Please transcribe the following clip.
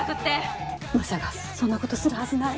マサがそんなことするはずない。